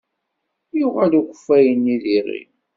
Yuɣal ukeffay-nni d iɣi.